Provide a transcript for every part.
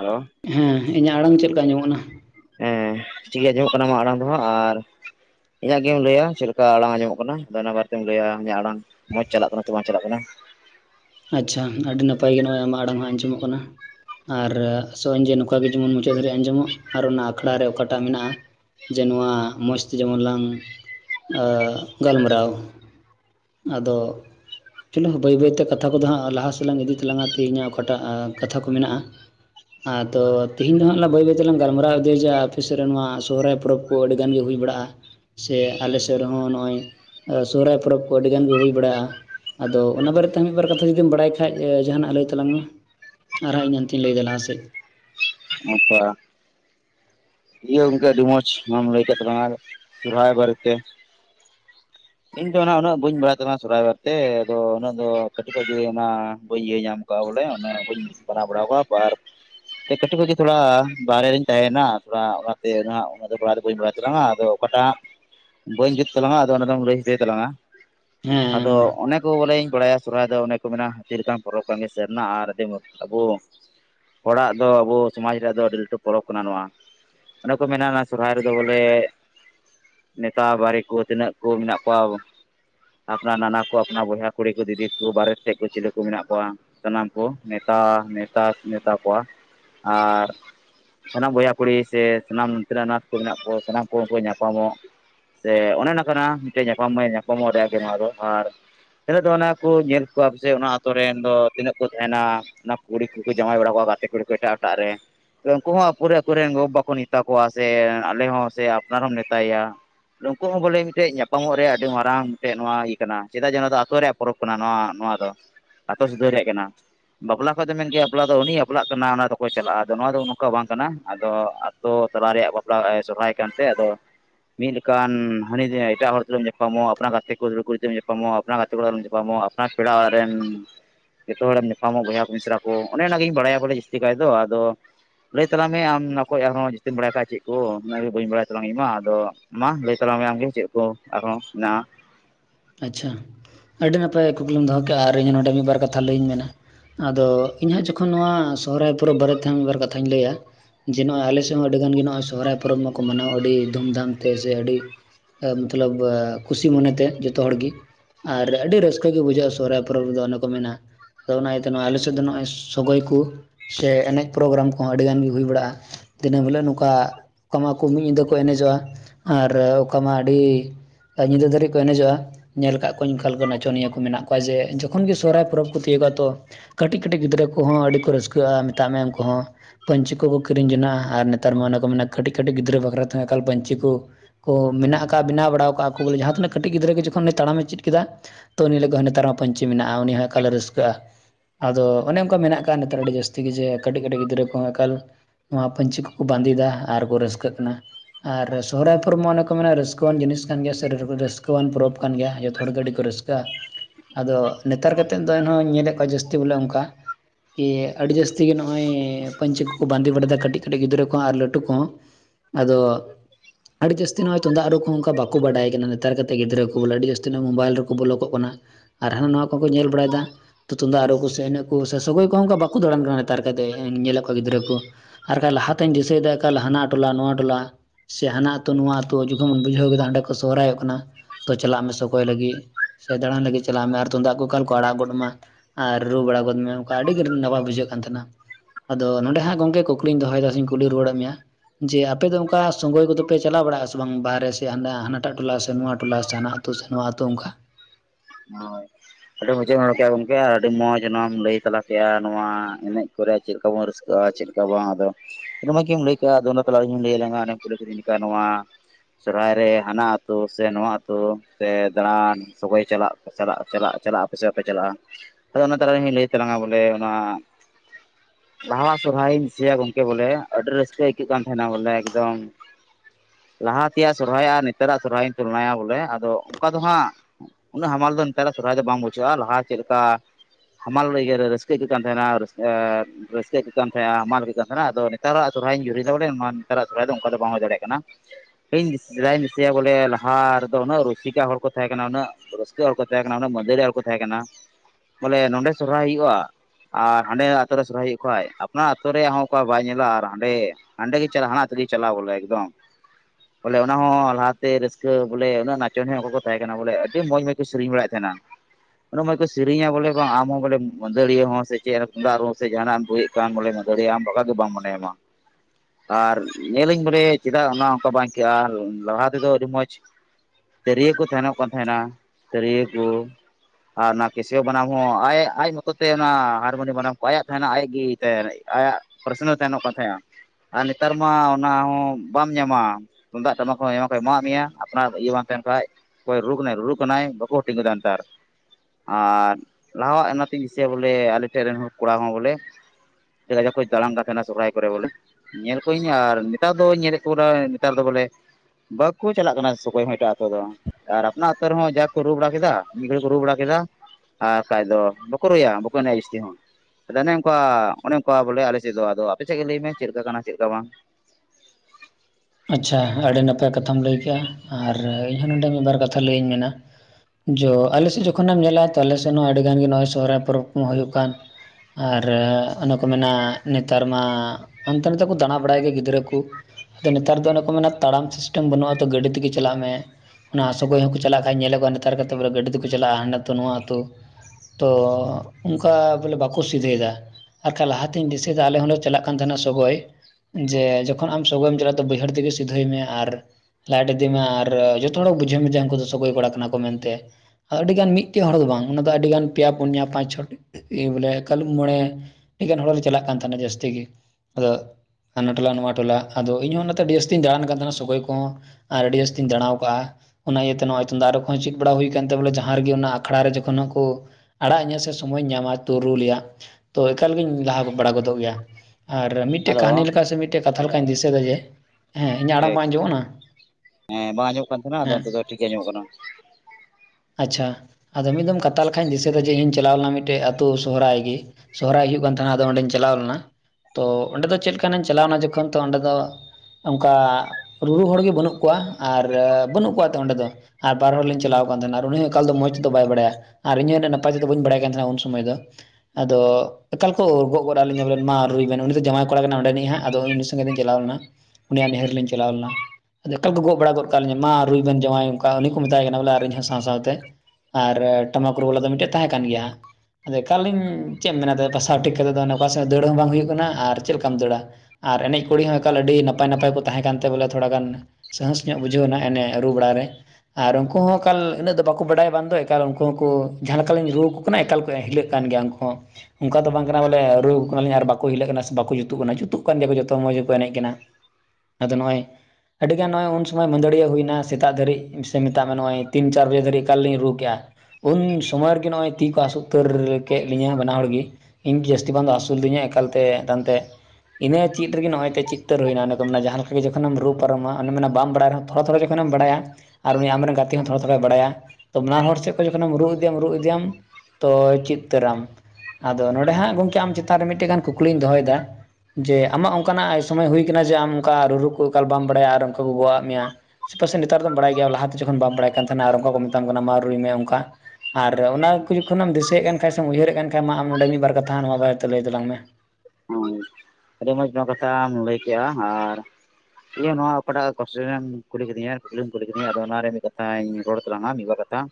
Hello ᱦᱮᱸ ᱤᱧᱟᱹᱜ ᱟᱲᱟᱝ ᱪᱮᱫ ᱞᱮᱠᱟ ᱟᱸᱡᱚᱢᱼᱚᱜ ᱠᱟᱱᱟ ᱦᱮᱸ ᱴᱷᱤᱠ ᱜᱮ ᱟᱸᱡᱚᱢᱚᱜ ᱠᱟᱱᱟ ᱟᱢᱟᱜ ᱟᱲᱟᱝ ᱫᱚ ᱦᱟᱸᱜ ᱟᱨ ᱤᱧᱟᱹᱜ ᱜᱮᱢ ᱞᱟᱹᱭᱟ ᱪᱮᱫ ᱞᱮᱠᱟ ᱟᱲᱟᱝ ᱟᱸᱡᱚᱢᱼᱚᱜ ᱠᱟᱱᱟ ᱟᱫᱚ ᱚᱱᱟ ᱵᱟᱨᱮᱛᱮᱢ ᱞᱟᱹᱭᱟ ᱤᱧᱟᱹᱜ ᱟᱲᱟᱝ ᱢᱚᱸᱡᱽ ᱪᱟᱞᱟᱜ ᱠᱟᱱᱟ ᱥᱮ ᱵᱟᱝ ᱪᱟᱞᱟᱜ ᱠᱟᱱᱟ ᱟᱪᱪᱷᱟ ᱟᱹᱰᱤ ᱱᱟᱯᱟᱭ ᱜᱮ ᱱᱚᱜᱼᱚᱭ ᱟᱢᱟᱜ ᱟᱲᱟᱝ ᱦᱚᱸ ᱟᱸᱡᱚᱢᱚᱜ ᱠᱟᱱᱟ ᱟᱨ ᱟᱸᱥᱚᱜ ᱟᱹᱧ ᱡᱮ ᱱᱚᱝᱠᱟ ᱜᱮ ᱡᱮᱢᱚᱱ ᱢᱩᱪᱟᱹᱫ ᱫᱷᱤᱡ ᱟᱸᱡᱚᱢᱼᱚᱜ ᱟᱨ ᱚᱱᱟ ᱟᱠᱷᱲᱟ ᱨᱮ ᱚᱠᱟᱴᱟᱜ ᱢᱮᱱᱟᱜᱼᱟ ᱡᱮ ᱱᱚᱣᱟ ᱢᱚᱡᱽ ᱛᱮ ᱡᱮᱢᱚᱱ ᱞᱟᱝ ᱜᱟᱞᱢᱟᱨᱟᱣ ᱟᱫᱚ ᱪᱚᱞᱚ ᱵᱟᱹᱭ ᱵᱟᱹᱭ ᱛᱮ ᱠᱟᱛᱷᱟ ᱠᱟᱛᱷᱟ ᱠᱚᱫᱚ ᱦᱟᱸᱜ ᱞᱟᱦᱟ ᱥᱮᱫ ᱞᱟᱝ ᱤᱫᱤ ᱛᱟᱞᱟᱝᱟ ᱛᱮᱦᱮᱧᱼᱟᱜ ᱚᱠᱟᱴᱟᱜ ᱠᱟᱛᱷᱟ ᱠᱚ ᱢᱮᱱᱟᱜᱼᱟ ᱟᱫᱚ ᱛᱤᱦᱤᱧ ᱫᱚ ᱦᱟᱸᱜ ᱵᱟᱹᱭ ᱵᱟᱹᱭ ᱛᱮᱞᱟᱝ ᱜᱟᱞᱢᱟᱨᱟᱣ ᱤᱫᱤᱭᱟ ᱡᱮ ᱟᱯᱮ ᱥᱮᱫᱨᱮ ᱱᱚᱣᱟ ᱥᱚᱦᱚᱨᱟᱭ ᱯᱚᱨᱚᱵᱽ ᱠᱚ ᱟᱹᱰᱤ ᱜᱟᱱ ᱜᱮ ᱦᱩᱭ ᱵᱟᱲᱟᱜᱼᱟ ᱥᱮ ᱟᱞᱮ ᱥᱮᱫ ᱨᱮᱦᱚᱸ ᱱᱚᱸᱜᱼᱚᱭ ᱥᱚᱦᱨᱟᱭ ᱯᱚᱨᱚᱵᱽ ᱠᱚ ᱟᱹᱰᱤ ᱜᱟᱱ ᱜᱮ ᱦᱩᱭ ᱵᱟᱲᱟᱜᱼᱟ ᱟᱫᱚ ᱚᱱᱟ ᱵᱟᱨᱮᱛᱮ ᱢᱤᱫ ᱵᱟᱨ ᱠᱟᱛᱷᱟ ᱠᱟᱛᱷᱟ ᱡᱩᱫᱤᱢ ᱵᱟᱲᱟᱭ ᱠᱷᱟᱡ ᱡᱟᱦᱟᱱᱟᱜ ᱞᱟᱹᱭ ᱛᱟᱞᱟᱝ ᱢᱮ ᱟᱨ ᱦᱟᱸᱜ ᱤᱧ ᱦᱟᱱᱛᱮᱧ ᱞᱟᱹᱭᱫᱟ ᱞᱟᱦᱟ ᱥᱮᱫ ᱱᱚᱝᱠᱟ ᱤᱭᱟᱹ ᱜᱚᱝᱠᱮ ᱟᱹᱰᱤ ᱢᱚᱸᱡᱽ ᱱᱚᱣᱟᱢ ᱞᱟᱹᱭ ᱠᱮᱫ ᱛᱟᱞᱟᱝᱟ ᱥᱚᱨᱦᱟᱭ ᱵᱟᱨᱮ ᱛᱮ [inaudible] ᱤᱧ ᱫᱚ ᱦᱟᱸᱜ ᱩᱱᱟᱹᱜ ᱵᱟᱹᱧ ᱵᱟᱲᱟᱭ ᱛᱟᱞᱟᱝᱟ ᱥᱚᱨᱦᱟᱭ ᱵᱟᱨᱮᱛᱮ ᱟᱫᱚ ᱩᱱᱟᱹᱜ ᱫᱚ ᱠᱟᱹᱴᱤᱡ ᱠᱷᱚᱡ ᱜᱮ ᱚᱱᱟ ᱵᱟᱹᱧ ᱤᱭᱟᱹ ᱧᱟᱢᱫᱟ ᱵᱚᱞᱮ ᱚᱱᱟ ᱵᱟᱹᱧ ᱯᱟᱲᱟᱣ ᱵᱟᱲᱟ ᱠᱟᱫᱟ ᱛᱚ ᱟᱨ ᱠᱟᱹᱴᱤᱡ ᱠᱷᱚᱡ ᱜᱮ ᱛᱷᱚᱲᱟ ᱵᱟᱦᱨᱮ ᱨᱤᱧ ᱛᱟᱸᱦᱮ ᱮᱱᱟ ᱛᱷᱚᱲᱟ ᱚᱱᱟᱛᱮ ᱚᱱᱟ ᱫᱚ ᱵᱟᱲᱟᱭ ᱵᱟᱹᱧ ᱵᱟᱲᱟᱭ ᱛᱟᱞᱟᱝᱟ ᱟᱫᱚ ᱚᱠᱟᱴᱟᱜ ᱵᱟᱹᱧ ᱡᱩᱛ ᱛᱟᱞᱟᱝᱟ ᱟᱫᱚ ᱚᱸᱰᱮ ᱫᱚᱢ ᱞᱟᱹᱭ ᱥᱚᱡᱷᱮ ᱛᱟᱞᱟᱝᱟ ᱦᱮᱸ ᱟᱫᱚ ᱢᱟ ᱚᱱᱮᱠ ᱠᱚ ᱵᱚᱞᱮᱧ ᱵᱟᱲᱟᱭᱟ ᱥᱚᱨᱦᱟᱭ ᱫᱚ ᱚᱱᱮ ᱠᱚ ᱢᱮᱱᱟ ᱦᱟᱹᱛᱤ ᱞᱮᱠᱟᱱ ᱯᱚᱨᱚᱵᱽ ᱠᱟᱱᱜᱮ ᱥᱮᱨᱱᱟ ᱟᱨ ᱟᱹᱰᱤ ᱟᱵᱚ ᱦᱚᱲᱟᱜ ᱫᱚ ᱟᱵᱚ ᱥᱚᱢᱟᱡᱽ ᱨᱮᱭᱟᱜ ᱫᱚ ᱟᱹᱰᱤ ᱞᱟᱹᱴᱩ ᱯᱚᱨᱚᱵᱽ ᱠᱟᱱᱟ ᱱᱚᱣᱟ ᱚᱱᱮ ᱠᱚ ᱢᱮᱱᱟᱜᱼᱟ ᱥᱚᱨᱦᱟᱭ ᱨᱮᱫᱚ ᱵᱚᱞᱮ ᱱᱮᱣᱛᱟ ᱵᱟᱨᱮ ᱠᱚ ᱛᱤᱱᱟᱹᱜ ᱠᱚ ᱢᱮᱱᱟᱜ ᱠᱚᱣᱟ ᱟᱯᱱᱟᱨ ᱱᱟᱱᱟ ᱠᱚ ᱟᱯᱱᱟᱨ ᱵᱚᱭᱦᱟ ᱠᱩᱲᱤ ᱠᱚ ᱫᱤᱫᱤ ᱠᱚ ᱵᱟᱨᱮᱛ ᱛᱮᱫ ᱠᱚ ᱪᱤᱞᱤ ᱠᱚ ᱢᱮᱱᱟᱜ ᱠᱚᱣᱟ ᱥᱟᱱᱟᱢ ᱠᱚ ᱱᱮᱣᱛᱟ ᱱᱮᱣᱛᱟ ᱱᱮᱣᱛᱟ ᱠᱚᱣᱟ ᱟᱨ ᱥᱟᱱᱟᱢ ᱵᱚᱭᱦᱟ ᱠᱩᱲᱤ ᱥᱮ ᱥᱟᱱᱟᱢ ᱱᱩᱚᱛᱤᱱᱟᱜ ᱱᱟᱨᱥ ᱠᱚ ᱢᱮᱱᱟᱜ ᱠᱚᱣᱟ ᱥᱟᱱᱟᱢ ᱠᱚᱠᱚ ᱧᱟᱯᱟᱢᱼᱚᱜ ᱥᱮ ᱚᱱᱮ ᱚᱱᱟ ᱠᱟᱱᱟ ᱢᱤᱫᱴᱮᱱ ᱧᱟᱯᱟᱢ ᱧᱟᱯᱟᱢᱼᱚᱜ ᱨᱮᱭᱟᱜ ᱜᱮ ᱱᱚᱣᱟ ᱫᱚ ᱟᱨ ᱛᱱᱟᱹᱜ ᱫᱚ ᱚᱱᱟ ᱠᱚ ᱧᱮᱞ ᱠᱚᱣᱟ ᱡᱮ ᱚᱱᱟ ᱟᱛᱳ ᱨᱮᱱ ᱫᱚ ᱛᱤᱱᱟᱹᱜ ᱠᱚ ᱛᱟᱸᱦᱮᱱ ᱟ ᱚᱱᱟ ᱠᱩᱲᱤ ᱠᱚᱠᱚ ᱡᱟᱶᱟᱭ ᱵᱟᱲᱟ ᱠᱚᱣᱟ ᱜᱟᱛᱮ ᱠᱩᱲᱤ ᱠᱚ ᱮᱴᱟᱜ ᱮᱴᱟᱜ ᱨᱮ ᱩᱱᱠᱩ ᱦᱚᱸ ᱯᱩᱨᱟᱹ ᱟᱠᱚ ᱨᱮᱱ ᱜᱚ ᱵᱟᱠᱚ ᱢᱮᱛᱟ ᱠᱚᱣᱟ ᱥᱮ ᱟᱞᱮ ᱦᱚᱸ ᱥᱮ ᱟᱯᱱᱟᱨ ᱦᱚᱸᱚᱢ ᱱᱮᱣᱛᱟ ᱮᱭᱟ ᱱᱩᱠᱩ ᱦᱚᱸ ᱵᱚᱞᱮ ᱢᱤᱫᱴᱮᱡ ᱧᱟᱯᱟᱢᱼᱚᱜ ᱨᱮᱭᱟᱜ ᱟᱹᱰᱤ ᱢᱟᱨᱟᱝ ᱢᱤᱫᱴᱮᱡ ᱱᱚᱣᱟ ᱤᱭᱟᱹ ᱠᱟᱱᱟ ᱪᱮᱫᱟᱜ ᱡᱮ ᱱᱚᱣᱟ ᱫᱚ ᱟᱹᱛᱳ ᱨᱮᱭᱟᱜ ᱯᱚᱨᱚᱵᱽ ᱠᱟᱱᱟ ᱱᱚᱣᱟ ᱱᱚᱣᱟ ᱫᱚ ᱟᱛᱳ ᱥᱩᱫᱷᱟᱹᱜ ᱨᱮᱭᱟᱜ ᱠᱟᱱᱟ ᱵᱟᱯᱞᱟ ᱠᱷᱚᱡ ᱫᱚ ᱢᱮᱱ ᱜᱮᱭᱟ ᱵᱟᱯᱞᱟ ᱫᱚ ᱩᱱᱤᱭ ᱵᱟᱯᱞᱟᱜ ᱠᱟᱱᱟ ᱚᱱᱟ ᱛᱮᱠᱚ ᱪᱟᱞᱟᱜᱼᱟ ᱟᱫᱚ ᱱᱚᱣᱟ ᱫᱚ ᱱᱚᱝᱠᱟ ᱵᱟᱝ ᱠᱟᱱᱟ ᱟᱫᱚ ᱟᱛᱳ ᱛᱟᱞᱟ ᱨᱮᱭᱟᱜ ᱵᱟᱯᱞᱟ ᱥᱚᱨᱦᱟᱭ ᱠᱟᱱ ᱛᱮ ᱟᱫᱚ ᱢᱤᱫ ᱞᱮᱠᱟᱱ ᱦᱟᱹᱱᱤ ᱮᱴᱟᱜ ᱦᱚᱲ ᱥᱟᱞᱟᱜ ᱧᱟᱯᱟᱢᱼᱚᱜ ᱟᱯᱱᱟᱨ ᱜᱟᱛᱮ ᱠᱚ ᱠᱩᱲᱤ ᱛᱮᱢ ᱧᱟᱯᱟᱢᱚᱜᱼᱟ ᱫᱟᱬᱟ ᱟᱪᱩᱨ ᱵᱟᱲᱟ ᱞᱮᱱ ᱜᱮ ᱠᱚ ᱟᱵᱚ ᱟᱯᱱᱟᱨ ᱯᱮᱲᱟ ᱚᱲᱟᱜ ᱨᱮᱱ, ᱡᱚᱛᱚ ᱦᱚᱲᱮᱢ ᱧᱟᱯᱟᱢ-ᱟ ᱵᱚᱭᱦᱟ ᱠᱚ ᱢᱤᱥᱨᱟ ᱚᱱᱮ ᱚᱱᱟᱜᱤᱧ ᱵᱟᱲᱟᱭᱟ ᱵᱚᱞᱮ ᱡᱟᱹᱥᱛᱤ ᱠᱟᱭ ᱫᱚ ᱟᱫᱚ ᱞᱟᱹᱭ ᱛᱟᱞᱟᱝ ᱢᱮ ᱟᱢ ᱚᱠᱚᱭ ᱟᱨᱦᱚᱸ ᱡᱩᱫᱤᱢ ᱵᱟᱲᱟᱭ ᱠᱷᱟᱡ ᱪᱮᱫ ᱠᱚ ᱚᱱᱟᱜᱮ ᱵᱟᱹᱧ ᱵᱟᱲᱟᱭ ᱛᱟᱞᱟᱝᱧ ᱤᱧ ᱦᱚᱸ ᱟᱫᱚ ᱢᱟ ᱞᱟᱹᱭ ᱛᱟᱞᱝ ᱢᱮ ᱟᱢᱜᱮ ᱪᱮᱫ ᱠᱚ ᱟᱨᱦᱚᱸ ᱢᱮᱱᱟᱜ ᱟ ᱟᱪᱪᱷᱟ ᱟᱹᱰᱤ ᱱᱟᱯᱟᱭ ᱠᱩᱠᱞᱤᱢ ᱫᱚᱦᱚ ᱠᱮᱜᱼᱟ ᱟᱨ ᱤᱧ ᱱᱚᱰᱮ ᱢᱤᱫᱼᱵᱟᱨ ᱠᱟᱛᱷᱟ ᱞᱟᱹᱭᱤᱧ ᱢᱮ ᱱᱟᱸᱦᱜ ᱟᱫᱚ ᱤᱧ ᱦᱟᱸᱜ ᱡᱚᱠᱷᱚᱱ ᱱᱚᱣᱟ ᱥᱚᱦᱨᱟᱭ ᱯᱚᱨᱚᱵᱽ ᱵᱟᱨᱮ ᱛᱮᱦᱚᱸ ᱢᱤᱫᱵᱟᱨ ᱠᱟᱛᱷᱟᱧ ᱞᱟᱹᱭ ᱟ ᱡᱮ ᱱᱚᱸᱜᱼᱚᱭ ᱟᱞᱮᱥᱮᱫ ᱦᱚᱸ ᱟᱹᱰᱤ ᱜᱟᱱ ᱜᱮ ᱱᱚᱸᱜᱼᱚᱭ ᱥᱚᱦᱚᱨᱟᱭ ᱯᱚᱨᱚᱵᱽ ᱢᱟᱠᱚ ᱢᱟᱱᱟᱣᱟ ᱟᱹᱰᱤ ᱫᱷᱩᱢᱫᱷᱟᱢ ᱛᱮ ᱥᱮ ᱟᱹᱰᱤ ᱢᱚᱛᱞᱚᱵ ᱠᱩᱥᱤ ᱢᱚᱱᱮᱛᱮ ᱡᱚᱛᱚ ᱦᱚᱲᱜᱮ ᱟᱨ ᱟᱹᱰᱤ ᱨᱟᱹᱥᱠᱟᱹ ᱜᱮ ᱵᱩᱡᱷᱟᱹᱜᱼᱟ ᱥᱚᱦᱚᱨᱟᱭ ᱯᱚᱨᱚᱵᱽ ᱨᱮᱫᱚ ᱚᱱᱮ ᱠᱚ ᱢᱮᱱᱼᱟ ᱟᱫᱚ ᱚᱱᱟ ᱤᱭᱟᱹᱛᱮ ᱱᱚᱸᱜᱼᱚᱭ ᱟᱞᱮᱥᱮᱫ ᱫᱚ ᱱᱚᱸᱜᱼᱚᱭ ᱥᱚᱜᱚᱭ ᱠᱚ ᱥᱮ ᱮᱱᱮᱡ ᱯᱨᱳᱜᱨᱟᱢ ᱠᱚᱦᱚᱸ ᱟᱹᱰᱤ ᱜᱟᱱ ᱜᱮ ᱦᱩᱭ ᱵᱟᱲᱟᱜᱼᱟ ᱫᱤᱱᱟᱹᱢ ᱦᱤᱞᱳᱜ ᱱᱚᱝᱠᱟ ᱚᱠᱟ ᱢᱟᱠᱚ ᱢᱤᱫ ᱧᱤᱫᱟᱹ ᱠᱚ ᱮᱱᱮᱡᱚᱜᱼᱟ ᱟᱨ ᱚᱠᱟ ᱢᱟ ᱟᱹᱰᱤ- ᱟᱨ ᱧᱤᱫᱟᱹ ᱫᱷᱟᱹᱨᱤᱡ ᱠᱚ ᱮᱱᱮᱡᱚᱜᱼᱟ ᱧᱮᱞ ᱠᱟᱜ ᱠᱚᱣᱟᱧ ᱚᱱᱠᱟ ᱞᱮᱠᱟ ᱱᱟᱪᱚᱱᱤᱭᱟᱹ ᱠᱚ ᱢᱮᱱᱟᱜ ᱠᱚᱣᱟ ᱡᱮ ᱡᱚᱠᱷᱚᱱ ᱜᱮ ᱥᱚᱦᱨᱟᱭ ᱯᱚᱨᱚᱵᱽ ᱠᱚ ᱛᱤᱭᱳᱜᱼᱟ ᱛᱚ- ᱠᱟᱹᱴᱤᱡ ᱠᱟᱹᱴᱤᱡ ᱜᱤᱫᱽᱨᱟᱹ ᱠᱚᱦᱚᱸ ᱟᱹᱰᱤ ᱠᱚ ᱨᱟᱹᱥᱠᱟᱹᱜᱼᱟ ᱢᱮᱛᱟᱜ ᱢᱮ ᱩᱱᱠᱩ ᱦᱚᱸ- ᱯᱟᱹᱧᱪᱤ ᱠᱚᱠᱚ ᱠᱤᱨᱤᱧ ᱡᱚᱱᱟᱜ ᱟᱨ ᱱᱮᱛᱟᱨ ᱢᱟ ᱚᱱᱮ ᱠᱚ ᱢᱮᱱᱟ ᱠᱟᱹᱴᱤᱡ ᱠᱟᱹᱴᱤᱡ ᱜᱤᱫᱽᱨᱟᱹ ᱵᱟᱠᱷᱨᱟ ᱛᱮᱦᱚᱸ ᱮᱠᱟᱞ ᱯᱟᱹᱧᱪᱤ ᱠᱚ- ᱠᱚ ᱢᱮᱱᱟᱜ ᱟᱠᱟᱫ ᱵᱮᱱᱟᱣ ᱵᱟᱲᱟᱣ ᱠᱟᱜᱼᱟᱠᱚ ᱵᱚᱞᱮ ᱡᱟᱦᱟᱸ ᱛᱤᱱᱟᱹᱜ ᱠᱟᱹᱴᱤᱡ ᱜᱤᱫᱽᱨᱟᱹ ᱜᱮᱼ ᱡᱚᱠᱷᱚᱱᱮ ᱛᱟᱲᱟᱢᱮ ᱪᱮᱫ ᱠᱮᱫᱟ ᱛᱚ ᱩᱱᱤ ᱞᱟᱹᱜᱤᱫ ᱦᱚᱸ ᱱᱮᱛᱟᱨ ᱢᱟ ᱯᱟᱹᱧᱪᱤ ᱢᱮᱱᱟᱜᱼᱟ ᱩᱱᱤ ᱦᱚᱸ ᱮᱠᱟᱞᱮ ᱨᱟᱹᱥᱠᱟᱹᱜᱼᱟ ᱟᱫᱚ ᱚᱱᱮ ᱚᱱᱠᱟ ᱢᱮᱱᱟᱜ ᱠᱟᱜᱼᱟ ᱱᱮᱛᱟᱨ ᱟᱹᱰᱤ ᱡᱟᱹᱥᱛᱤ ᱜᱮ ᱡᱮ ᱠᱟᱹᱴᱤᱡ ᱠᱟᱹᱴᱤᱡ ᱜᱤᱫᱽᱨᱟᱹ ᱠᱚᱦᱚᱸ ᱮᱠᱟᱞ- ᱱᱚᱣᱟ ᱯᱟᱹᱧᱪᱤ ᱠᱚᱠᱚ ᱵᱟᱸᱫᱮᱭᱫᱟ ᱟᱨ ᱠᱚ ᱨᱟᱹᱥᱠᱟᱹᱜ ᱠᱟᱱᱟ ᱟᱨ ᱥᱚᱦᱚᱨᱟᱭ ᱯᱚᱨᱚᱵ ᱢᱟ ᱚᱱᱮ ᱠᱚ ᱢᱮᱱᱟᱜᱼᱟ ᱨᱟᱹᱥᱠᱟᱹᱣᱟᱱ ᱡᱤᱱᱤᱥ ᱠᱟᱱ ᱜᱮᱭᱟ ᱥᱮ ᱨᱟᱹᱥᱠᱟᱹᱣᱟᱱ ᱯᱚᱨᱚᱵᱽ- ᱠᱟᱱ ᱜᱮᱭᱟ ᱡᱚᱛᱚ ᱦᱚᱲ ᱜᱮ ᱟᱹᱰᱤ ᱠᱚ ᱨᱟᱹᱥᱠᱟᱹᱜᱼᱟ ᱟᱫᱚ ᱱᱮᱛᱟᱨ ᱠᱟᱛᱮᱫ ᱫᱚ ᱮᱱᱦᱚᱧ ᱧᱮᱞᱮᱫ ᱠᱚᱣᱟ ᱡᱟᱹᱥᱛᱤ ᱵᱚᱞᱮ ᱚᱱᱠᱟ- ᱠᱤ ᱟᱹᱰᱤ ᱡᱟᱹᱥᱛᱤ ᱜᱮ ᱱᱚᱜᱼᱚᱭ ᱯᱟᱹᱧᱪᱤ ᱠᱚᱠᱚ ᱵᱟᱸᱫᱮ ᱵᱟᱲᱟᱭᱮᱫᱟ ᱠᱟᱹᱴᱤᱡ ᱠᱟᱹᱴᱤᱡ ᱜᱤᱫᱽᱨᱟᱹ ᱠᱚᱦᱚᱸ ᱟᱨ ᱞᱟᱹᱴᱩ ᱠᱚᱦᱚᱸ ᱟᱫᱚ ᱟᱹᱰᱤ ᱡᱟᱹᱥᱛᱤ ᱱᱚᱜᱚᱭ ᱛᱩᱝᱫᱟᱜ ᱨᱩ ᱠᱚᱦᱚᱸ ᱵᱟᱠᱚ ᱵᱟᱰᱟᱭ ᱠᱟᱱᱟ ᱱᱮᱛᱟᱨ ᱠᱟᱛᱮ ᱜᱤᱫᱽᱨᱟᱹ ᱠᱚ- ᱠᱚ ᱵᱚᱞᱮ ᱟᱹᱰᱤ ᱡᱟᱹᱥᱛᱤ ᱢᱳᱵᱟᱭᱤᱞ ᱨᱮᱠᱚ ᱵᱚᱞᱚᱠᱚᱜ ᱠᱟᱱᱟ ᱟᱨ ᱦᱟᱱᱟ ᱱᱚᱣᱟ ᱠᱚᱠᱚ ᱧᱮᱞ ᱵᱟᱲᱟᱭᱮᱫᱟ ᱛᱩ ᱛᱩᱝᱫᱟᱜ ᱨᱩ ᱠᱚ ᱥᱮ ᱮᱱᱮᱡ ᱠᱚ ᱥᱮ ᱥᱚᱜᱚᱭ ᱠᱚᱦᱚ ᱚᱱᱠᱟ ᱵᱟᱠᱚ ᱫᱟᱬᱟᱱ ᱠᱟᱱᱟ ᱱᱮᱛᱟᱨ ᱠᱟᱛᱮ ᱧᱮᱞᱮᱜ ᱠᱚᱣᱟ ᱜᱤᱫᱽᱨᱟᱹ ᱠᱚ ᱟᱨ ᱠᱷᱟᱱ ᱞᱟᱦᱟᱛᱤᱧ ᱫᱤᱥᱟᱹᱭᱮᱫᱟ ᱮᱠᱟᱞ ᱦᱟᱱᱟ ᱴᱚᱞᱟ ᱱᱚᱣᱟ ᱴᱚᱞᱟ ᱥᱮ ᱦᱟᱱᱟ ᱟᱹᱛᱩ ᱱᱚᱣᱟ ᱟᱹᱛᱩ ᱡᱚᱠᱷᱚᱱ ᱵᱚᱱ ᱵᱩᱡᱷᱟᱹᱣ ᱠᱮᱫᱟ ᱚᱸᱰᱮ ᱠᱚ ᱥᱚᱦᱨᱟᱭᱚᱜ ᱠᱟᱱᱟ- ᱛᱚ ᱪᱟᱞᱟᱜ ᱢᱮ ᱥᱚᱠᱚᱭ ᱞᱟᱹᱜᱤᱫ ᱥᱮ ᱫᱟᱬᱟᱱ ᱞᱟᱹᱜᱤᱫ ᱪᱟᱞᱟᱜ ᱢᱮ ᱟᱨ ᱛᱩᱢᱫᱟᱜᱠᱩ ᱠᱟᱞ ᱠᱚ ᱟᱲᱟᱜ ᱜᱚᱫᱟᱢᱟ ᱟᱨ ᱨᱩ ᱵᱟᱲᱟ ᱜᱚᱫ ᱢᱮ ᱚᱱᱠᱟ ᱟᱹᱰᱤ ᱜᱮ ᱱᱟᱯᱟᱭ ᱵᱩᱡᱷᱟᱹᱜ ᱠᱟᱱ ᱛᱟᱦᱮᱱᱟ ᱟᱫᱚ ᱱᱚᱰᱮ ᱦᱟᱸᱜ ᱜᱚᱢᱠᱮ ᱠᱩᱠᱞᱤᱧ ᱫᱚᱦᱚᱭᱮᱫᱟ ᱥᱮᱧ ᱠᱩᱞᱤ ᱨᱩᱣᱟᱹᱲᱮᱫ ᱢᱮᱭᱟ ᱡᱮ ᱟᱯᱮ ᱫᱚ ᱚᱱᱠᱟ ᱥᱚᱜᱚᱭ ᱠᱚᱫᱚᱯᱮ ᱪᱟᱞᱟᱣ ᱵᱟᱲᱟᱜᱼᱟ ᱥᱮ ᱵᱟᱝ ᱵᱟᱦᱨᱮ ᱥᱮᱫ ᱦᱟᱱᱟ ᱦᱟᱱᱟᱴᱟᱜ ᱴᱚᱞᱟ ᱥᱮ ᱱᱚᱣᱟ ᱴᱚᱞᱟ ᱥᱮ ᱦᱟᱱᱟ ᱟᱛᱳ ᱥᱮ ᱱᱚᱣᱟ ᱟᱹᱛᱩ ᱚᱱᱠᱟ ᱦᱳᱭ ᱟᱹᱰᱤ ᱢᱚᱡᱮ ᱨᱚᱨ ᱠᱮᱼᱟ ᱜᱚᱢᱠᱮ ᱟᱹᱰᱤ ᱢᱚᱸᱡᱽ ᱱᱚᱣᱟᱢ ᱞᱟᱹᱭ ᱠᱟᱞᱟ ᱠᱮᱜᱼᱟ ᱱᱚᱣᱟ ᱮᱱᱮᱡ ᱠᱚᱨᱮᱡ ᱪᱮᱫ ᱞᱮᱠᱟ ᱵᱚᱱ ᱨᱟᱹᱥᱠᱟᱹᱜᱼᱟ ᱪᱮᱫ ᱞᱮᱠᱟ ᱵᱟᱝ ᱟᱫᱚ ᱞᱟᱹᱭ ᱟ ᱛᱞᱟ ᱞᱟᱹᱭᱩᱞᱤᱱ ᱠᱟᱨᱼᱟ [inaudible] ᱥᱚᱦᱨᱟᱭ ᱨᱮ ᱦᱟᱱᱟ ᱟᱛᱳ ᱥᱮ ᱱᱚᱣᱟ ᱟᱛᱳ ᱥᱮ ᱫᱟᱬᱟᱱ ᱥᱚᱜᱚᱭ ᱪᱟᱞᱟᱜ ᱪᱟᱞᱟᱜ ᱪᱟᱞᱟᱜ ᱪᱟᱞᱟᱜ ᱟᱯᱮ ᱥᱮ ᱵᱟᱯᱮ ᱪᱟᱞᱟᱜᱼᱟ ᱟᱫᱚ ᱚᱱᱟ ᱛᱟᱞᱟᱨᱮᱧ ᱞᱟᱹᱭ ᱛᱟᱞᱟᱝᱟ ᱵᱚᱞᱮ ᱚᱱᱟ- ᱞᱟᱦᱟᱣᱟᱜ ᱥᱚᱨᱦᱟᱭᱤᱧ ᱫᱤᱥᱟᱹᱭᱟ ᱜᱚᱝᱠᱮ ᱵᱚᱞᱮ ᱟᱹᱰᱤ ᱨᱟᱹᱥᱠᱟᱹ ᱟᱹᱭᱠᱟᱹᱜ ᱠᱟᱱ ᱛᱟᱦᱮᱱᱟ ᱵᱚᱞᱮ ᱮᱠᱫᱚᱢ ᱞᱟᱦᱟ ᱛᱮᱭᱟᱜ ᱥᱚᱨᱦᱟᱭ ᱟᱨ ᱱᱮᱛᱟᱨᱟᱜ ᱥᱚᱨᱦᱟᱭᱤᱧ ᱛᱩᱞᱚᱱᱟᱭᱟ ᱵᱚᱞᱮ ᱟᱫᱚ ᱚᱱᱠᱟ ᱫᱚ ᱦᱟᱸᱜ- ᱩᱱᱟᱹᱜ ᱦᱟᱢᱟᱞ ᱫᱚ ᱱᱮᱛᱟᱨᱟ ᱥᱚᱨᱦᱟᱭ ᱫᱚ ᱵᱟᱝ ᱵᱩᱡᱷᱟᱹᱜᱼᱟ ᱞᱟᱦᱟ ᱪᱮᱫ ᱞᱮᱠᱟ- ᱦᱟᱢᱟᱞ ᱜ [inaudible] ᱨᱟᱹᱥᱠᱟᱹ ᱟᱹᱭᱠᱟᱹᱜ ᱠᱟᱱ ᱛᱟᱦᱮᱱᱟ ᱨᱟᱹᱥᱠᱟᱹ ᱟᱨ - ᱨᱟᱹᱥᱠᱟᱹ ᱟᱹᱭᱠᱟᱹᱜ ᱠᱟᱱ ᱛᱟᱦᱮᱸᱜᱼᱟ ᱦᱟᱢᱟᱞ ᱟᱹᱭᱠᱟᱹᱜ ᱠᱟᱱ ᱛᱟᱦᱮᱸᱱᱟ ᱟᱫᱚ ᱱᱮᱛᱟᱨᱟᱜ ᱥᱚᱨᱦᱟᱭᱤᱧ ᱧᱩᱨᱤᱭᱮᱫᱟ ᱵᱚᱞᱮ ᱱᱚᱣᱟ ᱱᱮᱛᱟᱨᱟᱜ ᱥᱚᱨᱦᱟᱭ ᱫᱚ ᱚᱱᱠᱟ ᱫᱚ ᱵᱟᱝ ᱦᱩᱭ ᱫᱟᱲᱮᱭᱟᱜ ᱠᱟᱱᱟ᱾ ᱤᱧ ᱡᱟᱦᱟᱸᱮᱫᱟᱧ [inaudible] ᱫᱤᱥᱟᱹᱭᱟ ᱵᱚᱞᱮ ᱞᱟᱦᱟ ᱨᱮᱫᱚ ᱩᱱᱟᱹᱜ ᱨᱩᱥᱤᱠᱟ ᱦᱚᱲ ᱠᱚ ᱛᱟᱦᱮᱸ ᱠᱟᱱᱟ ᱩᱱᱟᱹᱜ ᱨᱟᱹᱥᱠᱟᱹ ᱦᱚᱲ ᱠᱚ ᱛᱟᱦᱮᱸ ᱠᱟᱱᱟ ᱠᱟᱱᱟ ᱩᱱᱟᱹᱜ ᱢᱚᱡᱮᱫᱮ ᱦᱚᱲ ᱠᱚ ᱛᱟᱦᱮᱸ ᱠᱟᱱᱟ ᱵᱚᱞᱮ ᱱᱚᱰᱮ ᱥᱚᱨᱦᱟᱭ ᱦᱩᱭᱩᱜᱼᱟ ᱟᱨ ᱦᱟᱸᱰᱮ ᱟᱛᱳ ᱨᱮ ᱥᱚᱨᱦᱟᱭ ᱦᱩᱭᱩᱜ ᱠᱷᱟᱱ ᱟᱯᱱᱟ ᱟᱛᱳ ᱨᱮᱭᱟᱜ ᱦᱚᱸ ᱚᱱᱠᱟ ᱵᱟᱭ ᱧᱮᱞᱟ ᱟᱨ ᱦᱟᱸᱰᱮ- ᱦᱟᱸᱰᱮ ᱜᱮ ᱪᱟᱞᱟᱜ ᱦᱟᱱᱟ ᱟᱹᱛᱩ ᱜᱤ ᱪᱟᱞᱟᱣ ᱵᱚᱞᱮ ᱮᱠᱫᱚᱢ ᱵᱚᱞᱮ ᱚᱱᱟ ᱦᱚᱸ ᱞᱟᱦᱟᱛᱮ ᱨᱟᱹᱥᱠᱟᱹ ᱵᱚᱞᱮ ᱩᱱᱟᱹᱜ ᱱᱟᱪᱱᱤᱭᱟᱹ ᱠᱚ ᱠᱚ ᱛᱟᱦᱮᱸ ᱠᱟᱱᱟ ᱵᱚᱞᱮ ᱟᱹᱰᱤ ᱢᱚᱸᱡᱽ ᱢᱚᱸᱡ ᱠᱚ ᱥᱮᱨᱮᱧ ᱵᱟᱲᱟᱭᱮᱫ- ᱛᱟᱦᱮᱱᱟ ᱩᱱᱟᱹᱜ ᱢᱚᱡᱽ ᱠᱚ ᱥᱮᱨᱮᱧᱟ ᱵᱚᱞᱮ ᱵᱟᱝ ᱟᱢ ᱦᱚᱸ ᱵᱚᱞᱮ ᱢᱟᱹᱫᱟᱹᱲᱤᱭᱟᱹ ᱦᱚᱸ ᱥᱮ ᱪᱮᱫ ᱛᱩᱢᱫᱟᱜ ᱨᱩ ᱥᱮ ᱡᱟᱦᱟᱱᱟᱜ ᱮᱢ ᱨᱩᱭᱮ- ᱛᱟᱢ ᱵᱚᱞᱮ ᱢᱟᱹᱫᱟᱹᱲᱤᱭᱟᱹ ᱟᱢ ᱵᱟᱵᱟ ᱫᱚ ᱵᱟᱢ ᱢᱚᱱᱮᱭᱮᱢᱟ ᱟᱨ ᱧᱮᱞᱟᱹᱧ ᱵᱚᱞᱮ ᱪᱮᱫᱟᱜ ᱚᱱᱟ ᱚᱱᱠᱟ ᱵᱟᱝ ᱟᱹᱭᱠᱟᱹᱜᱼᱟ ᱞᱟᱦᱟ ᱛᱮᱫᱚ ᱟᱹᱰᱤ ᱢᱚᱸᱡᱽ- ᱛᱤᱨᱭᱳ ᱠᱚ ᱛᱟᱦᱮᱱᱚᱜ ᱠᱟᱱ ᱛᱟᱦᱮᱱᱟ ᱛᱤᱨᱭᱳ- ᱠᱚ [inaudible] ᱟᱨ ᱚᱱᱟ ᱠᱮᱥᱤᱭᱳ ᱵᱟᱱᱟᱢ ᱦᱚᱸ ᱟᱡ ᱟᱡ ᱢᱚᱛᱚ ᱛᱮ ᱚᱱᱟ ᱦᱟᱨᱢᱳᱱᱤ ᱵᱟᱱᱟᱢ ᱠᱚ ᱟᱭᱟᱜ ᱛᱟᱦᱮᱱᱟ ᱟᱡ ᱜᱮ ᱟᱭᱟᱜ- ᱯᱟᱨᱥᱚᱱᱟᱞ ᱛᱟᱦᱮᱸᱱᱚᱜ ᱠᱟᱱ ᱛᱟᱦᱮᱸᱱᱟ ᱟᱨ ᱱᱮᱛᱟᱨ ᱢᱟ ᱚᱱᱟ ᱦᱚᱸ ᱵᱟᱢ ᱧᱟᱢᱟ ᱛᱩᱢᱫᱟᱜ ᱴᱟᱢᱟᱠ ᱦᱚᱸ ᱮᱢᱟ ᱠᱷᱟᱡ ᱮᱢᱟᱜᱫ ᱢᱮᱭᱟ ᱟᱯᱱᱟᱨ ᱫᱚ ᱤᱭᱟᱹ ᱵᱟᱝ ᱛᱟᱦᱮᱱ ᱠᱷᱟᱡ ᱚᱠᱚᱭ ᱨᱩᱨᱭ ᱠᱟᱱᱟᱭ ᱨᱩᱨᱩ ᱠᱟᱱᱟᱭ ᱵᱟᱠᱚ- ᱛᱤᱜᱩ ᱫᱟᱱ ᱛᱟᱨ ᱟᱨ ᱞᱟᱦᱟᱣᱟᱜ ᱚᱱᱟᱛᱮᱧ ᱫᱤᱥᱟᱹᱭᱟ ᱵᱚᱞᱮ ᱟᱞᱮ ᱴᱷᱮᱡ ᱨᱮᱱ ᱦᱚᱲ ᱠᱚᱲᱟ ᱦᱚᱸ ᱵᱚᱞᱮ ᱪᱮᱫᱪ ᱠᱷᱳᱭ ᱫᱟᱞᱟᱱ ᱫᱠᱮ ᱱᱟ ᱥᱚᱦᱨᱟᱭ ᱠᱚᱨᱮ ᱵᱚᱞᱮ ᱧᱮᱞ ᱠᱚᱣᱟᱧ ᱟᱨ ᱱᱮᱛᱟᱨ ᱫᱚᱧ ᱧᱮᱞᱮᱫ ᱠᱚ ᱱᱟ ᱱᱮᱛᱟᱨ ᱫᱚ ᱵᱚᱞᱮ ᱵᱟᱠᱚ ᱪᱟᱞᱟᱜ ᱠᱟᱱᱟ ᱥᱚᱜᱚᱭ ᱦᱚᱸ ᱮᱴᱟᱜ ᱟᱛᱳ ᱫᱚ, ᱟᱨ ᱟᱯᱱᱟ ᱟᱛᱳ ᱨᱮᱦᱚᱸ ᱡᱟ ᱠᱚ ᱨᱩ ᱵᱟᱲᱟ ᱠᱮᱫᱟ ᱢᱤᱫ ᱜᱷᱟᱹᱲᱤ ᱠᱚ ᱨᱩ ᱵᱟᱲᱟ ᱠᱮᱫᱟ ᱟᱨ ᱵᱟ ᱠᱷᱟᱡ ᱫᱚ ᱵᱟᱠᱚ ᱨᱩᱭᱟ ᱵᱟᱠᱚ ᱮᱱᱮᱡᱼᱟ ᱡᱟᱹᱥᱛᱤ ᱦᱚᱸ ᱟ ᱚᱱᱮ ᱚᱱᱠᱟ ᱚᱱᱮ ᱚᱱᱠᱟ ᱵᱚᱞᱮ ᱟᱞᱮ ᱥᱮᱫ ᱫᱚ ᱟᱫᱚ ᱟᱯᱮ ᱥᱮᱫ ᱜᱮ ᱞᱟᱹᱭ ᱢᱮ ᱪᱮᱫ ᱞᱮᱠᱟ ᱠᱟᱱᱟ ᱪᱮᱫ ᱞᱮᱠᱟ ᱵᱟᱝ ᱟᱪᱪᱷᱟ ᱟᱹᱰᱤ ᱱᱟᱯᱟᱭ ᱠᱟᱛᱷᱟᱢ ᱞᱟᱹᱭ ᱠᱮᱫᱮᱜᱼᱟ ᱟᱨ ᱤᱧᱦᱚᱸ ᱱᱚᱰᱮ ᱢᱤᱫᱵᱟᱨ ᱠᱟᱛᱷᱟ ᱞᱟᱹᱭᱟᱹᱧ ᱢᱮᱱᱟ ᱡᱚ ᱟᱞᱮᱥᱮᱫ ᱡᱚᱠᱷᱚᱱᱮᱢ ᱧᱮᱞᱟ ᱛᱚ ᱟᱞᱮᱥᱮᱫ ᱦᱚᱸ ᱟᱹᱰᱤ ᱜᱟᱱ ᱜᱮ ᱱᱚᱼᱜᱚᱭ ᱥᱚᱦᱚᱨᱟᱭ ᱯᱚᱨᱚᱵᱽ ᱦᱚᱸ ᱦᱩᱭᱩᱜ ᱠᱟᱱ ᱟᱨ ᱚᱱᱮᱠᱚ ᱢᱮᱱᱟ ᱱᱮᱛᱟᱨ ᱢᱟ ᱦᱟᱱᱛᱮ ᱱᱟᱛᱮ ᱠᱚ ᱫᱟᱬᱟ ᱵᱟᱲᱟᱭ ᱜᱮ ᱜᱤᱫᱽᱨᱟᱹ ᱠᱚ ᱟᱫᱚ ᱱᱮᱛᱟᱨ ᱫᱚ ᱚᱱᱮ ᱠᱚ ᱢᱮᱱᱟ ᱛᱟᱲᱟᱢ ᱥᱤᱥᱴᱮᱢ ᱵᱟᱹᱱᱩᱜᱼᱟ ᱛᱚ ᱜᱟᱹᱰᱤ ᱛᱮᱜᱮ ᱪᱟᱞᱟᱜ ᱢᱮ᱾ ᱚᱱᱟ ᱥᱚᱜᱚᱭ ᱦᱚᱸᱠᱚ ᱪᱟᱞᱟᱜ ᱠᱷᱟᱡ ᱧᱮᱞᱮᱫ ᱠᱚᱼᱟ ᱱᱮᱛᱟᱨ ᱠᱟᱛᱮᱜ ᱜᱟᱹᱰᱤ ᱛᱮᱠᱚ ᱪᱟᱞᱟᱜᱼᱟ ᱦᱟᱸᱱᱟ ᱟᱹᱛᱩ ᱱᱚᱣᱟ ᱟᱹᱛᱩ ᱛᱚ ᱚᱱᱠᱟ ᱵᱚᱞᱮ ᱵᱟᱠᱚ ᱥᱤᱫᱟᱹᱭᱮᱫᱟ ᱟᱨᱠᱷᱟᱱ ᱞᱟᱦᱟᱛᱤᱧ ᱫᱤᱥᱟᱹᱭᱮᱫᱟ ᱟᱞᱮ ᱦᱚᱸᱞᱮ ᱪᱟᱞᱟᱜ ᱠᱟᱱ ᱛᱟᱸᱦᱮᱱᱟ ᱥᱚᱜᱚᱭ ᱡᱮ ᱡᱚᱠᱷᱚᱱ ᱟᱢ ᱥᱚᱜᱚᱭ ᱮᱢ ᱪᱟᱞᱟᱜ ᱵᱟᱹᱭᱦᱟᱹᱲ ᱛᱮᱜᱮ ᱥᱤᱫᱷᱟᱹᱭ ᱢᱮ ᱟᱨ ᱞᱟᱭᱤᱴ ᱤᱫᱤ ᱢᱮ ᱟᱨ ᱡᱚᱛᱚ ᱦᱚᱲ ᱵᱩᱡᱷᱟᱹᱣ ᱢᱩᱡᱷᱟ ᱩᱱᱠᱩ ᱫᱚ ᱥᱚᱜᱟᱹᱭ ᱠᱚᱲᱟ ᱠᱟᱱᱟ ᱠᱚ ᱢᱮᱱᱛᱮ ᱟᱹᱰᱤᱜᱟᱱ ᱢᱤᱫᱴᱮᱱ ᱦᱚᱲ ᱫᱚ ᱵᱟᱝ ᱚᱱᱟ ᱫᱚ ᱟᱹᱰᱤᱜᱟᱱ ᱯᱮᱭᱟ ᱯᱩᱱᱭᱟ ᱯᱟᱸᱪ ᱪᱷᱚᱴᱤ ᱵᱚᱞᱮ ᱠᱟᱹᱞᱩ ᱢᱚᱬᱮ ᱢᱤᱫ ᱴᱟᱝ ᱦᱚᱲᱞᱮᱢ ᱪᱟᱞᱟᱜ ᱠᱟᱱ ᱛᱟᱦᱮᱱᱟ ᱡᱟᱹᱥᱛᱤ ᱜᱮ, ᱟᱫᱚ ᱦᱟᱱᱟ ᱴᱚᱞᱟ ᱱᱚᱣᱟ ᱴᱚᱞᱟ ᱟᱫᱚ ᱤᱧᱦᱚ ᱟᱹᱰᱤ ᱡᱟᱹᱥᱛᱤᱧ ᱫᱟᱬᱟᱱ ᱠᱟᱱ ᱛᱟᱦᱮᱱᱟ ᱥᱚᱜᱚᱭ ᱠᱚᱦᱚ ᱟᱨ ᱟᱹᱰᱤ ᱡᱟᱹᱥᱛᱤᱧ ᱫᱟᱲᱟᱣ ᱠᱟᱜᱼᱟ᱾ ᱚᱱᱟ ᱤᱭᱟᱹᱛᱮ ᱱᱚᱜᱼᱚᱭ ᱛᱩᱢᱫᱟᱜ ᱨᱩ ᱠᱚᱸ ᱪᱮᱫ ᱵᱟᱲᱟ ᱦᱩᱭ ᱠᱟᱱ ᱵᱚᱞᱮ ᱡᱟᱦᱟᱸ ᱨᱮᱜᱮ ᱚᱱᱟ ᱟᱠᱷᱲᱟ ᱨᱮ ᱡᱚᱠᱷᱚᱱ ᱠᱚ ᱟᱲᱟᱜ ᱤᱧᱟᱹ ᱥᱮ ᱥᱚᱢᱚᱭ ᱤᱧ ᱧᱟᱢᱟ ᱛᱚ ᱨᱩ ᱨᱮᱭᱟᱜ ᱛᱚ ᱮᱠᱟᱞᱜᱤᱧ ᱞᱟᱦᱟ ᱵᱟᱲᱟ ᱜᱚᱫᱚᱜ ᱜᱮᱭᱟ᱾ ᱟᱨ ᱢᱤᱫᱴᱮᱡ ᱠᱟᱹᱦᱱᱤ ᱟᱫᱚ ᱞᱮᱠᱟ ᱥᱮ ᱢᱤᱫᱴᱮᱡ ᱠᱟᱛᱷᱟ ᱞᱮᱠᱟᱧ ᱫᱤᱥᱟᱹᱭᱟ ᱡᱮ ᱦᱮᱸ ᱤᱧᱟᱹᱜ ᱟᱲᱟᱝ ᱴᱤᱠ ᱵᱟᱝ ᱟᱸᱡᱚᱢᱚᱜ ᱠᱟᱱᱟ ᱦᱮᱸ ᱵᱟᱝ ᱟᱸᱡᱚᱢᱚᱜ ᱠᱟᱱ ᱛᱟᱦᱮᱱᱟ ᱟᱫᱚ ᱦᱮᱸ ᱱᱤᱛᱚᱜ ᱫᱚ ᱴᱷᱤᱠ ᱜᱮ ᱟᱸᱡᱚᱢᱚᱜ ᱠᱟᱱᱟ ᱾ ᱟᱪᱪᱷᱟ ᱟᱫᱚ ᱢᱤᱫ ᱫᱚᱢ ᱠᱟᱛᱷᱟ ᱞᱮᱠᱷᱟᱧ ᱫᱤᱥᱟᱹᱭ ᱫᱟ ᱡᱮ ᱤᱧ ᱪᱟᱞᱟᱣ ᱞᱮᱱᱟ ᱢᱤᱫᱴᱮᱡ [unintelligible] ᱥᱚᱦᱚᱨᱟᱭ ᱜᱮ ᱥᱚᱦᱨᱟᱭ ᱦᱩᱭᱩᱜ ᱠᱟᱱ ᱛᱟᱦᱮᱱᱟ ᱟᱫᱚ ᱚᱸᱰᱮᱧ ᱪᱟᱞᱟᱣ ᱞᱮᱱᱟ ᱾ ᱛᱚ ᱚᱸᱰᱮ ᱫᱚ ᱪᱮᱫ ᱞᱮᱠᱟᱱ ᱤᱧ ᱪᱟᱞᱟᱣ ᱮᱱᱟ ᱡᱚᱠᱷᱚᱱ ᱛᱚ ᱚᱸᱰᱮ ᱫᱚ ᱚᱱᱠᱟ ᱨᱩᱨᱩ ᱦᱚᱲᱜᱮ ᱵᱟᱹᱱᱩᱜ ᱠᱚᱣᱟ ᱟᱨ ᱵᱟᱹᱱᱩᱜ ᱠᱚᱣᱟ ᱮᱛᱚ ᱚᱸᱰᱮ ᱫᱚ ᱾ ᱟᱨ ᱵᱟᱨ ᱦᱚᱲ ᱞᱤᱧ ᱪᱟᱞᱟᱣ ᱠᱟᱱ ᱛᱟᱦᱮᱱᱟ ᱩᱱᱤ ᱦᱚᱸ ᱮᱠᱟᱞ ᱫᱚ ᱢᱚᱸᱡᱽ ᱛᱮᱫᱚ ᱵᱟᱭ ᱵᱟᱲᱟᱭᱟ ᱟᱨ ᱤᱧ ᱦᱚᱸ ᱩᱱᱟᱹᱜ ᱱᱟᱯᱟᱭ ᱛᱮᱫᱚ ᱵᱟᱹᱧ ᱵᱟᱲᱟᱭ ᱠᱟᱱ ᱛᱟᱦᱮᱱᱟ ᱩᱱ ᱥᱚᱢᱚᱭ ᱫᱚ ᱾ ᱟᱫᱚ ᱮᱠᱟᱞ ᱠᱚ ᱜᱚᱜ ᱜᱚᱫ ᱞᱤᱧᱟ ᱵᱚᱞᱮᱱ ᱢᱟ ᱨᱩᱭ ᱵᱮᱱ ᱩᱱᱤ ᱫᱚ ᱡᱟᱶᱟᱭ ᱠᱚᱲᱟ ᱠᱟᱱᱟ ᱚᱰᱮᱱᱤᱡ ᱦᱟᱸᱜ ᱟᱫᱚ ᱩᱱ ᱥᱚᱸᱜᱮ ᱫᱚᱧ ᱪᱟᱞᱟᱣ ᱞᱮᱱᱟ᱾ ᱩᱱᱤᱭᱟᱜ ᱱᱟᱹᱭᱦᱟᱹᱨ ᱞᱤᱧ ᱪᱟᱞᱟᱣ ᱞᱮᱱᱟ ᱾ ᱟᱫᱚ ᱮᱠᱟᱞ ᱠᱚ ᱜᱚᱜ ᱵᱟᱲᱟ ᱜᱚᱫ ᱠᱟᱜ ᱞᱤᱧ ᱢᱟ ᱨᱩᱭ ᱵᱮᱱ ᱡᱟᱶᱟᱭ ᱚᱱᱠᱟ ᱩᱱᱤ ᱠᱚ ᱢᱮᱛᱟᱭ ᱠᱟᱱᱟ ᱵᱚᱞᱮ ᱟᱨ ᱤᱧᱚᱸ ᱥᱟᱶ ᱥᱟᱶᱛᱮ ᱾ ᱟᱨ ᱴᱟᱢᱟᱠ ᱨᱩ ᱵᱟᱞᱟ ᱫᱚ ᱢᱤᱫᱴᱮᱡ ᱮ ᱛᱟᱦᱮᱸ ᱠᱟᱱ ᱜᱮᱭᱟ ᱦᱟᱸᱜ ᱾ ᱟᱫᱚ ᱮᱠᱠᱟᱞᱤᱧ ᱪᱮᱫ ᱮᱢ ᱢᱮᱱᱟ ᱥᱟᱟᱣ ᱴᱷᱤᱠ ᱠᱟ ᱠᱟᱛᱮᱫ ᱫᱚ ᱚᱠᱟᱥᱮᱫ ᱫᱟᱹᱲ ᱦᱚᱸ ᱵᱟᱝ ᱦᱩᱭᱩᱜ ᱠᱟᱱᱟ ᱾ ᱟᱨ ᱪᱮᱫ ᱞᱮᱠᱟᱢ ᱫᱟᱹᱲᱟ? ᱟᱨ ᱮᱱᱮᱡ ᱠᱩᱲᱤ ᱦᱚᱸ ᱮᱠᱟᱞ ᱟᱹᱰᱤ ᱱᱟᱯ ᱱᱟᱯᱟᱭ ᱱᱟᱯᱟᱭ ᱠᱚ ᱛᱟᱦᱮᱸ ᱠᱟᱱᱛᱮ ᱵᱚᱞᱮ ᱛᱷᱚᱲᱟ ᱜᱟᱱ ᱥᱟᱦᱚᱥ ᱧᱚᱜ ᱵᱩᱡᱷᱟᱹᱣ ᱮᱱᱟ ᱮᱱᱮ ᱨᱩ ᱵᱟᱲᱟ ᱨᱮ ᱾ ᱟᱨ ᱩᱱᱠᱩ ᱦᱚᱸ ᱮᱠᱟᱞ ᱩᱱᱟᱹᱜ ᱫᱚ ᱵᱟᱠᱚ ᱵᱟᱰᱟᱭᱟ ᱵᱟᱝ ᱫᱚ ᱮᱠᱟᱞ ᱩᱱᱠᱩ ᱦᱚᱸᱠᱚ ᱡᱟᱦᱟᱸ ᱞᱮᱠᱟᱞᱤᱧ ᱨᱩ ᱳ ᱮᱠᱟᱞ ᱠᱚ ᱦᱤᱞᱟᱹᱜ ᱠᱟᱱ ᱜᱮᱭᱟ ᱩᱱᱠᱩ ᱦᱚᱸ, ᱚᱱᱠᱟ ᱫᱚ ᱵᱟᱝ ᱠᱟᱱᱟ ᱵᱚᱞᱮ ᱨᱩ ᱠᱟᱱᱟᱞᱤᱧ ᱟᱨ ᱵᱟᱠᱚ ᱦᱤᱞᱟᱹᱜ ᱠᱟᱱᱟ ᱥᱮ ᱵᱟᱠᱚ ᱡᱩᱛᱩᱜ ᱠᱟᱱᱟ ᱡᱩᱛᱩᱜ ᱠᱟᱱ ᱜᱮᱭᱟ ᱡᱚᱛᱚ ᱢᱚᱡᱽ ᱜᱮᱠᱚ ᱮᱱᱮᱡ ᱠᱟᱱᱟ ᱾ ᱟᱫᱚ ᱱᱚᱜᱼᱚᱭ ᱾ ᱟᱹᱰᱤᱜᱟᱱ ᱱᱚᱜᱼᱚᱭ ᱩᱱ ᱥᱚᱢᱚᱭ ᱢᱟᱹᱫᱟᱹᱲᱤᱭᱟᱹ ᱦᱩᱭᱱᱟ ᱥᱮᱛᱟᱜ ᱫᱷᱵᱤᱡ ᱥᱮ ᱢᱮᱛᱟᱜ ᱢᱮ ᱱᱚᱜᱼᱚᱭ ᱛᱤᱱ ᱪᱟᱨ ᱵᱟᱡᱮ ᱫᱷᱵᱤᱡ ᱮᱠᱟᱞ ᱞᱤᱧ ᱨᱩ ᱠᱮᱜᱼᱟ ᱾ ᱩᱱ ᱥᱚᱢᱚᱭ ᱨᱮᱜᱮ ᱱᱚᱜᱼᱚᱭ ᱛᱤ ᱠᱚ ᱟᱥᱩ ᱩᱛᱟᱹᱨ ᱠᱮᱫ ᱞᱤᱧᱟᱹ ᱵᱟᱱᱟ ᱦᱚᱲ ᱜᱮ ᱾ ᱤᱧ ᱜᱮ ᱡᱟᱹᱥᱛᱤ ᱵᱟᱝ ᱫᱚ ᱟᱹᱥᱩᱞᱤᱫᱤᱧᱟ ᱮᱠᱟᱞᱛᱮ ᱛᱟᱭᱚᱢᱛᱮ ᱤᱱᱟᱹ ᱪᱮᱫ ᱨᱮᱜᱮ ᱱᱚᱜ-ᱚᱭ ᱛᱮ ᱪᱤᱛᱛᱟᱹᱨ ᱦᱩᱭ ᱮᱱᱟ ᱟ ᱡᱟᱦᱟᱸ ᱞᱮᱠᱟ ᱡᱚᱠᱷᱚᱱᱮᱢ ᱨᱩ ᱯᱟᱨᱚᱢᱟ ᱚᱱᱟ ᱢᱟᱱᱮ ᱵᱟᱲᱟᱭ ᱨᱮ ᱦᱚᱸ ᱛᱷᱚᱲᱟ ᱛᱷᱚᱲᱟ ᱡᱚᱠᱷᱚᱱᱮᱢ ᱵᱟᱲᱟᱭᱟ ᱟᱨ ᱩᱱᱤ ᱟᱢᱨᱮᱱ ᱜᱟᱛᱮ ᱦᱚᱸ ᱛᱷᱚᱲᱟ ᱛᱷᱚᱲᱟᱭ ᱵᱟᱲᱟᱭᱟ ᱛᱚ ᱵᱟᱱᱟᱱ ᱦᱚᱲ ᱥᱮᱫ ᱠᱷᱚᱱ ᱡᱚᱠᱷᱚᱱᱮᱢ ᱨᱩ ᱤᱫᱤᱭᱟᱢ ᱨᱩ ᱤᱫᱤᱭᱟᱢ ᱛᱚ ᱪᱤᱫ ᱩᱛᱟᱹᱨᱟᱢ ᱾ᱛᱚ ᱟᱫᱚ ᱱᱚᱰᱮ ᱦᱟᱸᱜ ᱜᱚᱢᱠᱮ ᱟᱢ ᱪᱮᱛᱟᱱ ᱨᱮ ᱢᱤᱫᱴᱮᱱ ᱜᱟᱱ ᱠᱩᱠᱞᱤᱧ ᱫᱚᱦᱚᱭᱮᱫᱟ ᱾ ᱡᱮ ᱟᱢᱟᱜ ᱚᱱᱠᱟᱱᱟᱜ ᱥᱚᱢᱚᱭ ᱦᱩᱭ ᱠᱟᱱᱟ ᱡᱮ ᱟᱢ ᱚᱱᱠᱟ ᱨᱩᱨᱩ ᱮᱠᱟᱞ ᱵᱟᱢ ᱵᱟᱲᱟᱭᱟ ᱟᱨ ᱚᱱᱠᱟ ᱠᱚ ᱜᱚ ᱟᱫ ᱢᱮᱭᱟ? ᱥᱮ ᱯᱟᱥᱮᱡ ᱱᱮᱛᱟᱨ ᱫᱚ ᱵᱟᱲᱟᱭ ᱜᱮᱭᱟ ᱞᱟᱦᱟᱛᱮ ᱡᱚᱠᱷᱚᱱ ᱵᱟᱢ ᱵᱟᱲᱟᱭ ᱠᱟᱱ ᱛᱟᱦᱮᱱᱟ ᱟᱨ ᱚᱱᱠᱟ ᱠᱚ ᱢᱮᱛᱟᱢ ᱠᱟᱱᱟ ᱢᱟ ᱨᱩᱭ ᱢᱮ ᱚᱱᱠᱟ ᱾ ᱟᱨ ᱚᱱᱟ ᱠᱚ ᱡᱚᱠᱷᱚᱱᱢ ᱫᱤᱥᱟᱹᱭᱮᱫ ᱠᱟᱱ ᱠᱷᱟᱱ ᱥᱮᱢ ᱩᱭᱦᱟᱹᱨᱮᱫ ᱠᱟᱱ ᱠᱷᱟᱡ ᱢᱟ ᱟᱢ ᱱᱚᱰᱮ ᱢᱤᱫ ᱵᱟᱨ ᱠᱟᱛᱷᱟ ᱱᱚᱣᱟ ᱵᱟᱨᱮᱛᱮ ᱞᱟᱹᱭ ᱛᱟᱞᱟᱝ ᱢᱮ ᱾ [unintelligible] ᱟᱹᱰᱤ ᱢᱚᱸᱡᱽ ᱱᱚᱣᱟ ᱠᱟᱛᱷᱟᱢ ᱞᱟᱹᱭ ᱠᱮᱫᱼᱟ ᱾ ᱟᱨ ᱤᱭᱟᱹ ᱱᱚᱣᱟ ᱚᱠᱟᱴᱟᱜ ᱠᱚᱥᱴᱮᱱ ᱮᱢ ᱠᱩᱞᱤ ᱠᱤᱫᱤᱧ ᱠᱩᱠᱞᱤᱢ ᱠᱩᱞᱤ ᱠᱤᱫᱤᱧᱟ ᱟᱫᱚ ᱚᱱᱟᱨᱮ ᱢᱤᱫ ᱠᱟᱛᱷᱟᱧ ᱨᱚᱲ ᱛᱟᱞᱟᱝᱟ ᱢᱤᱫ ᱵᱟᱨ ᱠᱟᱛᱷᱟ [unintelligible]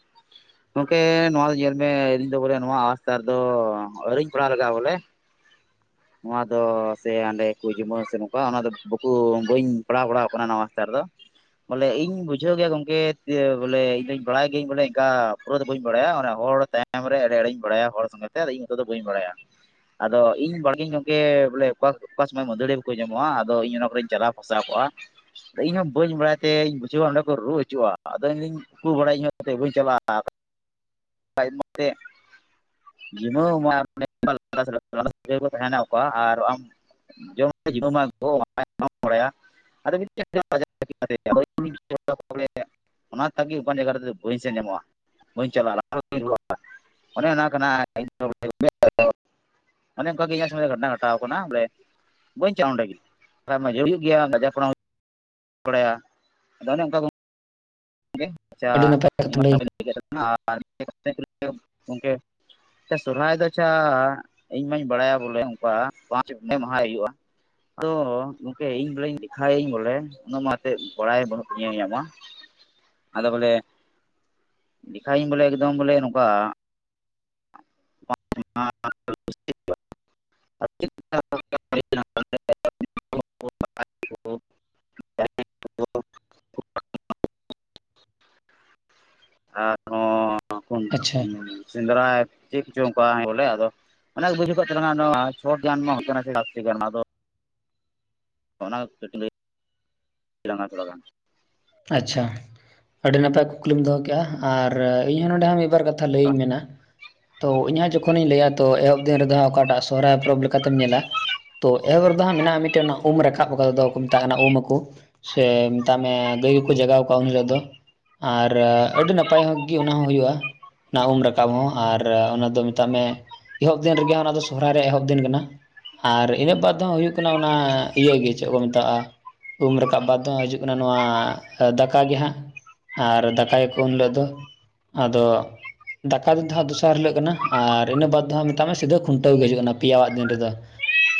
ᱜᱚᱝᱠᱮ ᱱᱚᱣᱟ ᱫᱚ ᱧᱮᱞ ᱢᱮ ᱤᱧ ᱫᱚ ᱵᱚᱞᱮ ᱱᱚᱣᱟ ᱟᱥᱛᱟᱨ ᱫᱚ ᱟᱹᱣᱨᱤᱧ ᱯᱟᱲᱟᱣ ᱞᱮᱜᱟᱜ-ᱟ ᱵᱚᱞᱮ ᱾ ᱱᱚᱣᱟ ᱫᱚ ᱥᱮ ᱟᱸᱰᱮ ᱠᱚ ᱡᱩᱢᱟᱹ ᱥᱮ ᱱᱚᱝᱠᱟ ᱚᱱᱟ ᱫᱚ ᱵᱟᱠᱩ ᱵᱟᱹᱧ ᱯᱟᱲᱟᱣ ᱵᱟᱲᱟᱣ ᱠᱟᱱᱟ ᱱᱚᱣᱟ ᱚᱵᱟᱥᱛᱟ ᱨᱮ ᱫᱚ ᱾ ᱵᱚᱞᱮ ᱤᱧ ᱵᱩᱡᱷᱟᱹᱣ ᱜᱮᱭᱟ ᱜᱚᱝᱠᱮ ᱤᱭᱟᱹ ᱵᱚᱞᱮ ᱤᱧ ᱫᱚᱧ ᱵᱟᱲᱟᱭ ᱜᱤᱭᱟ. ᱧ ᱵᱚᱞᱮ ᱤᱝᱠᱟ ᱯᱩᱨᱟᱹ ᱫᱚ ᱵᱟᱹᱧ ᱵᱟᱲᱟᱭᱟ ᱚᱱᱮ ᱦᱚᱲ ᱛᱟ ᱢᱨᱮ ᱮᱲᱮ ᱮᱲᱮᱧ ᱵᱟᱲᱟᱭᱟ ᱦᱚᱲ ᱥᱚᱸᱜᱮᱛᱮ ᱟᱫᱚ ᱤᱧ ᱢᱚᱛᱚ ᱫᱚ ᱵᱟᱹᱧ ᱵᱟᱲᱟᱭᱟ ᱟᱫᱚ ᱤᱧ ᱵᱟᱲᱤ ᱤᱧ ᱜᱚᱝᱠᱮ ᱵᱚᱞᱮ ᱚᱠᱟ ᱚᱠᱟ ᱥᱚᱢᱚᱭ ᱢᱟᱹᱫᱟᱹᱲᱤᱭᱟᱹ ᱠᱚᱠᱚ ᱧᱟᱢᱚᱜ-ᱟ ᱟᱫᱚ ᱤᱧ ᱚᱱᱟ ᱠᱚᱨᱮᱧ ᱪᱟᱞᱟᱣ ᱯᱷᱟᱥᱟᱣ ᱠᱚᱜ-ᱟ ᱤᱧᱦᱸᱚ ᱵᱟᱹᱧ ᱵᱟᱲᱟᱭ ᱛᱮᱧ ᱵᱩᱡᱷᱟᱹᱣᱟ ᱚᱸᱰᱮ ᱠᱚ ᱨᱩ ᱦᱟᱡᱩ-ᱟ ᱟᱫᱚ ᱤᱧᱫᱚᱧ ᱩᱠᱩ ᱵᱟᱲᱟᱭ ᱤᱧ ᱦᱚᱸ [unintelligible] ᱵᱟᱹᱧ ᱪᱟᱞᱟᱜ-ᱟ [unintelligible] ᱡᱤᱱᱟᱹᱣ ᱢᱟᱱ [unintelligible] ᱛᱮᱦᱮᱱᱟ ᱚᱠᱟ ᱟᱨ ᱟᱢ [unintelligible] ᱦᱚᱲᱮᱭᱟ ᱟᱫᱚ [unintelligible] ᱚᱱᱟ ᱛᱟᱜᱤ ᱚᱠᱟᱱ ᱡᱟᱭᱜᱟ ᱨᱮᱫᱚ ᱵᱟᱹᱧ ᱥᱮᱱ ᱧᱟᱢᱚᱜ-ᱟ ᱵᱟᱹᱧ ᱪᱟᱞᱟ-ᱟ [unintelligible] ᱚᱱᱮ ᱚᱱᱟ ᱠᱟᱱᱟ [unintelligible] ᱚᱱᱮ ᱚᱱᱠᱟ ᱜᱮ ᱤᱧᱟᱹᱜ ᱥᱚᱸᱜᱮ ᱜᱷᱚᱴᱱᱟ ᱜᱷᱴᱟᱣ ᱟᱠᱟᱱᱟ ᱵᱚᱞᱮ ᱵᱟᱹᱧ ᱪᱟᱜ-ᱟ ᱚᱸᱰᱮ ᱜᱤ [unintelligible] ᱞᱟᱡᱟᱣ ᱯᱟᱲᱟ ᱢᱟ ᱵᱟᱲᱟᱭᱟ ᱟᱫᱚ ᱚᱱᱮ ᱚᱝᱠᱟ ᱠᱚ ᱟᱵᱤᱱ ᱟᱪᱪᱷᱟ ᱟᱹᱰᱤ ᱱᱟᱯᱟᱭ ᱠᱟᱛᱷᱟᱢ ᱞᱟᱹᱭ [unintelligible] ᱜᱚᱝᱠᱮ ᱛᱮ ᱥᱚᱨᱦᱟᱭ ᱫᱚ ᱟᱪᱪᱷᱟ ᱤᱧ ᱢᱟᱧ ᱵᱟᱲᱟᱭᱟ ᱵᱚᱞᱮ ᱚᱝᱠᱟ ᱯᱟᱸᱪ ᱢᱮ ᱢᱟᱦᱟᱭ ᱦᱩᱭᱩᱜ-ᱟ ᱾ [unintelligible] ᱜᱚᱝᱠᱮ ᱤᱧ ᱵᱚᱞᱮᱧ ᱞᱮᱠᱷᱟᱣᱤᱧ ᱵᱚᱞᱮ ᱩᱱᱟᱹᱜ ᱢᱟ ᱮᱛᱮᱫ ᱵᱟᱲᱟᱭ ᱵᱟᱹᱱᱩᱜ ᱛᱤᱧᱟ ᱤᱧᱟᱹᱜ ᱢᱟ ᱾ ᱟᱫᱚ ᱵᱚᱞᱮ ᱞᱮᱠᱷᱟᱭᱤᱧ ᱵᱚᱞᱮ ᱮᱠᱫᱚᱢ ᱵᱚᱞᱮ ᱱᱚᱝᱠᱟ [unintelligible] ᱟᱨᱦᱚᱸ ᱟᱪᱪᱷᱟ [unintelligible] ᱥᱮᱸᱫᱽᱨᱟᱭ [unintelligible] ᱚᱱᱟ ᱠᱟᱹᱴᱤᱡ ᱞᱟᱹᱭ ᱛᱟᱞᱟᱝᱟ ᱛᱷᱚᱲᱟ ᱜᱟᱱ ᱟᱪᱪᱷᱟ ᱟᱹᱰᱤ ᱱᱟᱯᱟᱭ ᱠᱩᱠᱞᱤᱢ ᱫᱚᱦᱚ ᱠᱮᱜ-ᱟ ᱟᱨ ᱤᱧᱦ ᱱᱚᱸᱰᱮ ᱦᱟᱸᱜ ᱵᱟᱨ ᱠᱟᱛᱷᱟ ᱞᱟᱹᱭᱤᱧ ᱢᱮᱱᱟ ᱛᱚ ᱤᱧᱦᱟᱸᱜ ᱡᱚᱠᱷᱚᱱᱤᱧ ᱞᱟᱹᱭᱟ ᱛᱚ ᱮᱦᱚᱵ ᱫᱤᱱ ᱨᱮᱫᱚ ᱦᱟᱸᱜ ᱚᱠᱟᱴᱟᱜ ᱥᱚᱦᱚᱨᱟᱭ ᱯᱚᱨᱚᱵᱽ ᱞᱮᱠᱟᱛᱮᱢ ᱧᱮᱞᱟ ᱛᱚ ᱮᱦᱚᱵᱚᱜ ᱨᱮᱫᱚ ᱦᱟᱸᱜ ᱢᱮᱱᱟᱜ ᱢᱤᱫᱴᱮᱱ ᱚᱱᱟ ᱩᱢ ᱨᱟᱠᱟᱵ ᱚᱠᱟᱫᱚ ᱠᱚ ᱢᱮᱛᱟᱜ ᱠᱟᱱᱟ ᱩᱢ ᱟᱠᱚ ᱥᱮ ᱢᱮᱛᱟᱜ ᱢᱮ ᱜᱟᱹᱭ ᱠᱚ ᱡᱟᱜᱟᱣ ᱠᱚᱣᱟ ᱩᱱ ᱦᱤᱞᱳᱜ ᱫᱚ ᱟᱨ ᱟᱹᱰᱤ ᱱᱟᱯᱟᱭ ᱦᱳᱜ ᱜᱤ ᱚᱱᱟᱦᱚᱸ ᱦᱩᱭᱩᱜ-ᱟ ᱚᱱᱟ ᱩᱢ ᱨᱟᱠᱟᱵ ᱦᱚᱸ ᱟᱨ ᱚᱱᱟ ᱫᱚ ᱢᱮᱛᱟᱜ ᱢᱮ ᱮᱦᱚᱵ ᱫᱤᱱ ᱨᱮᱜᱮ ᱦᱟᱸᱜ ᱚᱱᱟ ᱫᱚ ᱥᱚᱦᱚᱨᱟᱭ ᱨᱮᱭᱟᱜ ᱮᱦᱚᱵ ᱫᱤᱱ ᱠᱟᱱᱟ ᱟᱨ ᱤᱱᱟᱹᱜ ᱵᱟᱫᱽ ᱫᱚᱦᱟᱸᱜ ᱦᱩᱭᱩᱜ ᱠᱟᱱᱟ ᱚᱱᱟ ᱤᱭᱟᱹ ᱜᱮ ᱪᱮᱫ ᱠᱚ ᱢᱮᱛᱟᱜ-ᱟ ᱩᱢ ᱨᱟᱠᱟᱵ ᱵᱟᱫ ᱫᱚᱦᱟᱸᱜ ᱦᱤᱡᱩᱜ ᱠᱟᱱᱟ ᱱᱚᱣᱟ ᱫᱟᱠᱟ ᱜᱮ ᱦᱟᱸᱜ ᱟᱨ ᱫᱟᱠᱟᱭᱟᱠᱚ ᱩᱱ ᱦᱤᱞᱳᱜ ᱫᱚ ᱟᱫᱚ ᱫᱟᱠᱟ ᱫᱤᱱ ᱫᱚ ᱦᱟᱸᱜ ᱫᱚᱥᱟᱨ ᱦᱤᱞᱳᱜ ᱠᱟᱱᱟ ᱟᱨ ᱤᱱᱟᱹ ᱵᱟᱫᱽ ᱫᱚ ᱦᱟᱸᱜ ᱢᱮᱛᱟᱜ ᱢᱮ ᱥᱤᱫᱷᱟᱹ ᱠᱷᱩᱱᱴᱟᱹᱣ ᱜᱮ ᱦᱤᱡᱩᱜ ᱠᱟᱱᱟ ᱯᱮᱭᱟᱣᱟᱜ ᱫᱤᱱ ᱨᱮᱫᱚ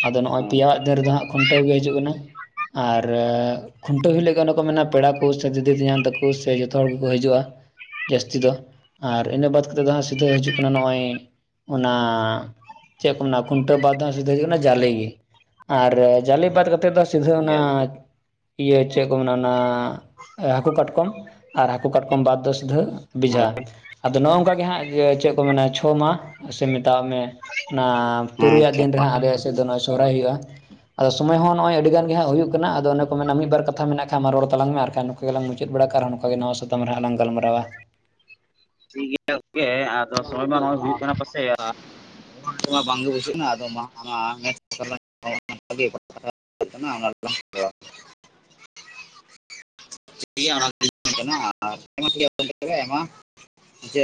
ᱟᱫᱚ ᱱᱚᱜ-ᱚᱭ ᱯᱮᱭᱟᱣᱟᱜ ᱫᱤᱱ ᱨᱮᱫᱚ ᱦᱟᱸᱜ ᱠᱷᱩᱱᱴᱟᱹᱣ ᱜᱮ ᱦᱤᱡᱩᱜ ᱠᱟᱱᱟ ᱟᱨ ᱠᱷᱩᱱᱴᱟᱹᱣ ᱦᱤᱞᱳᱜ ᱜᱮ ᱚᱱᱮ ᱠᱚ ᱢᱮᱱᱟ ᱯᱮᱲᱟ ᱫᱤᱫᱤ ᱛᱮᱧᱟᱝ ᱛᱟᱠᱚ ᱥᱮ ᱡᱚᱛᱚ ᱦᱚᱲ ᱜᱮᱠᱚ ᱦᱤᱡᱩᱜ-ᱟ ᱡᱟᱹᱥᱛᱤ ᱫᱚ ᱟᱨ ᱤᱱᱟᱹ ᱵᱟᱫ ᱠᱟᱛᱮᱫ ᱫᱚ ᱦᱟᱸᱜ ᱥᱤᱫᱷᱟᱹ ᱦᱤᱡᱩᱜ ᱠᱟᱱᱟ ᱱᱚᱜ-ᱚᱭ ᱚᱱᱟᱻ ᱪᱮᱫ ᱠᱚ ᱢᱮᱱᱟ ᱠᱷᱩᱱᱴᱟᱹᱣ ᱵᱟᱫᱽ ᱫᱚ ᱦᱟᱸᱜ ᱥᱤᱫᱷᱟᱹ ᱦᱩᱡᱩᱜ ᱠᱟᱱᱟ ᱡᱟᱞᱮ ᱜᱮ ᱟᱨ ᱡᱟᱞᱮ ᱵᱟᱫ ᱠᱟᱛᱮᱫ ᱫᱚ ᱥᱤᱫᱷᱟᱹ ᱚᱱᱟ ᱤᱭᱟᱹ ᱪᱮᱫ ᱠᱚ ᱢᱮᱱᱟ ᱚᱱᱟ ᱦᱟᱠᱩ ᱠᱟᱴᱠᱚᱢ ᱟᱨ ᱦᱟᱠᱩ ᱠᱟᱴᱠᱚᱢ ᱵᱟᱫᱽ ᱫᱚ ᱥᱤᱫᱷᱟᱹ ᱵᱮᱡᱷᱟ ᱟᱫᱚ ᱱᱚᱜ ᱚᱭ ᱱᱚᱝᱠᱟ ᱜᱮ ᱦᱟᱸᱜ ᱪᱮᱫ ᱠᱚ ᱢᱮᱱᱟ ᱪᱷᱚ ᱢᱟ ᱥᱮ ᱢᱮᱛᱟᱣᱟᱜ ᱢᱮ ᱚᱱᱟ ᱛᱩᱨᱩᱭᱟᱜ ᱟᱪᱪᱷᱟ ᱫᱤᱱ ᱨᱮᱦᱟᱸᱜ ᱟᱞᱮᱭᱟᱜ ᱥᱮᱫ ᱫᱚ ᱱᱚᱜ-ᱚᱭ ᱥᱚᱦᱨᱟᱭ ᱦᱩᱭᱩᱜ-ᱟ ᱟᱫᱚ ᱥᱚᱢᱚᱭ ᱦᱚᱸ ᱱᱚᱜ-ᱚᱭ ᱟᱹᱰᱤ ᱜᱟᱱ ᱜᱮ ᱦᱟᱸᱜ ᱦᱩᱭᱩᱜ ᱠᱟᱱᱟ ᱟᱫᱚ ᱚᱱᱮ ᱠᱚ ᱢᱮ ᱢᱤᱫᱵᱟᱨ ᱠᱟᱛᱷᱟ ᱢᱮᱱᱟᱜ ᱠᱷᱟᱱ ᱢᱟ ᱨᱚᱲ ᱛᱟᱞᱟᱝ ᱢᱮ ᱟᱨᱠᱷᱟᱱ ᱜᱮᱞᱟᱝ ᱢᱩᱪᱟᱹᱫ ᱵᱟᱲᱟ ᱠᱟᱜ ᱟᱨᱦᱚᱸ ᱱᱟᱣᱟ ᱥᱟᱛᱟᱢ ᱨᱮᱦᱟᱸᱜ ᱞᱟᱝ ᱜᱟᱞ ᱢᱟᱨᱟᱣᱟ ᱴᱷᱤᱠ ᱜᱮᱭᱟ ᱜᱚᱝᱠᱮ ᱟᱨ ᱥᱚᱢᱚᱭ ᱢᱟ ᱱᱚᱜ-ᱚᱭ ᱦᱩᱭᱩᱜ ᱠᱟᱱᱟ ᱯᱟᱥᱮ [unintelligible] ᱵᱟᱝᱜᱮ ᱵᱩᱡᱷᱟᱹᱜ ᱮᱱᱟ ᱟᱫᱚ ᱢᱟ [unintelligible] [unintelligible] [unintelligible] ᱡᱮ